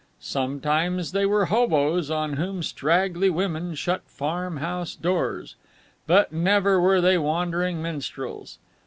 Sometimes they were hoboes on whom straggly women shut farm house doors. But never were they wandering minstrels.